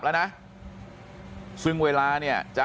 ครับคุณสาวทราบไหมครับ